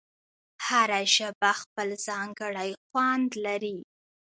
هره ژبه خپل ځانګړی خوند لري.